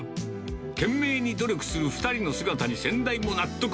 懸命に努力する２人の姿に先代も納得。